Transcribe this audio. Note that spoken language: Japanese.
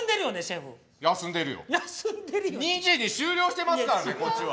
２時に終了してますからねこっちは。